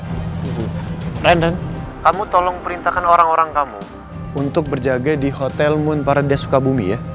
random kamu tolong perintahkan orang orang kamu untuk berjaga di hotel moon parade sukabumi ya